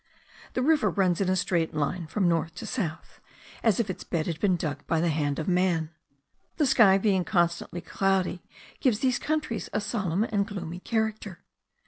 The river runs in a straight line from north to south, as if its bed had been dug by the hand of man. The sky being constantly cloudy gives these countries a solemn and gloomy character.